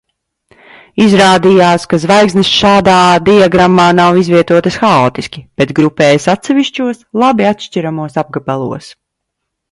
Izrādījās, ka zvaigznes šādā diagrammā nav izvietotas haotiski, bet grupējas atsevišķos labi atšķiramos apgabalos.